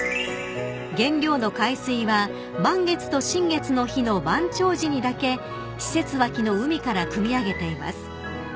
［原料の海水は満月と新月の日の満潮時にだけ施設脇の海からくみ上げています］